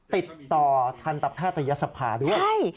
ติดต่อทันตแพทยศภาด้วย